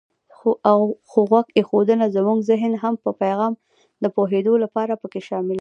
خو غوږ ایښودنه زمونږ زهن هم په پیغام د پوهېدو لپاره پکې شاملوي.